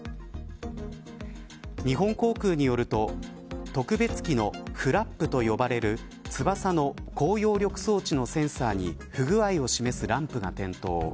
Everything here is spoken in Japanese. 日本航空によると特別機のフラップと呼ばれる翼の高揚力装置のセンサーに不具合を示すランプが点灯。